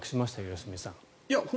良純さん。